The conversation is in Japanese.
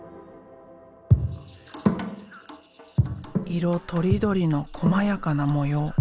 色とりどりのこまやかな模様。